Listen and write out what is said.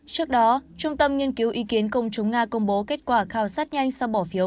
trước đó trung tâm nghiên cứu ý kiến công chúng nga công bố kết quả khảo sát nhanh sau bỏ phiếu